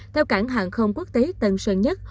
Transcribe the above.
theo cảng hàng không quốc tế tân sơn nhất